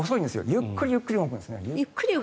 ゆっくりゆっくり動くんです。